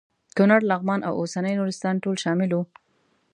کونړ لغمان او اوسنی نورستان ټول شامل وو.